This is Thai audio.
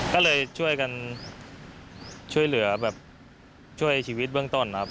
ก็เลยช่วยกันช่วยเหลือแบบช่วยชีวิตเบื้องต้นครับ